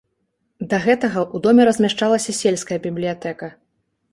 Да гэтага ў доме размяшчалася сельская бібліятэка.